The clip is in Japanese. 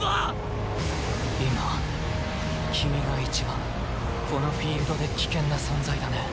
今君が一番このフィールドで危険な存在だね。